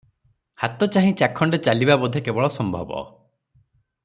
ହାତଚାହିଁ ଚାଖଣ୍ଡେ ଚାଲିବା ବୋଧେ କେବଳ ସମ୍ଭବ ।